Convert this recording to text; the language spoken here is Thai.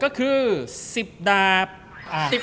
ก็คือ๑๐ดาบ